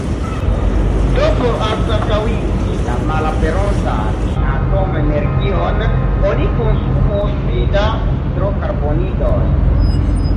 Do por anstataŭigi la malaperontan atomenergion oni konsumos pli da hidrokarbonidoj.